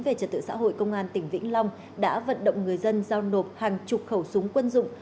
về trật tự xã hội công an tỉnh vĩnh long đã vận động người dân giao nộp hàng chục khẩu súng quân dụng